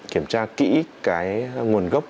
kiểm tra kỹ cái nguồn gốc